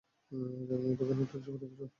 জার্মানির বৈজ্ঞানিক জাদুকরদের একজন।